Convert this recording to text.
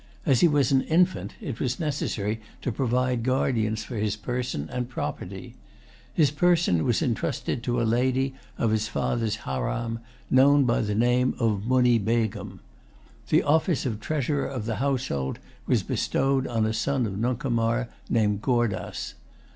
As he was an infant, it was necessary to provide guardians for his person and property. His person was entrusted to a lady of his father's haram, known by the name of the Munny Begum. The office of treasurer of the household was bestowed on a son of Nuncomar, named Goordas.